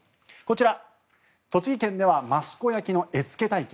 こちら、栃木県では益子焼の絵付け体験。